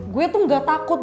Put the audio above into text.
gue tuh gak takut